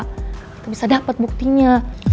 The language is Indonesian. kita bisa dapet buktinya